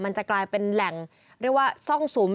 มันจะกลายเป็นแหล่งเรียกว่าซ่องสุม